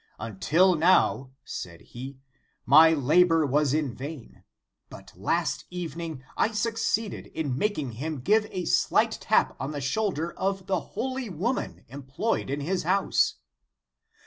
"Until now, said he, my labor was in vain, but last evening I succeeded in making him o ive a slight tap on the shoulder of the holy woman employed in his house.